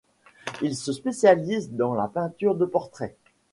Il se spécialise dans la peinture de portraits.